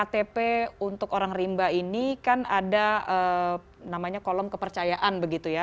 ktp untuk orang rimba ini kan ada namanya kolom kepercayaan begitu ya